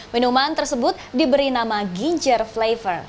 minuman tersebut diberi nama ginger flavor